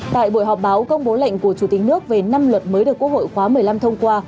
tại buổi họp báo công bố lệnh của chủ tịch nước về năm luật mới được quốc hội khóa một mươi năm thông qua